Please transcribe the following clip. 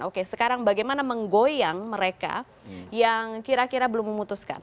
oke sekarang bagaimana menggoyang mereka yang kira kira belum memutuskan